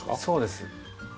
そうです。